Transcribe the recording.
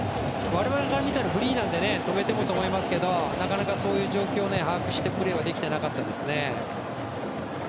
我々が見たらフリーなので止めようと思いますけどなかなかそういう状況を把握してプレーはできてなかったですね。